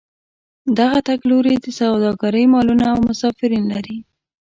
دغه تګ لوري سوداګرۍ مالونه او مسافرین لري.